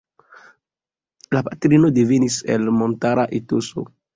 La patrino devenis el montara etoso.